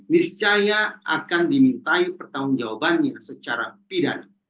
niscaya akan dimintai pertanggung jawabannya secara pidana